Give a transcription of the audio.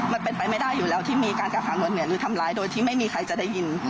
มันเป็นไปไม่ได้อยู่แล้วที่มีการกล่าวหาเหมือนทำร้ายโดยที่ไม่มีใครจะได้ยิน